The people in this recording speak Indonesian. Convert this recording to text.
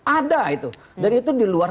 ada itu dan itu di luar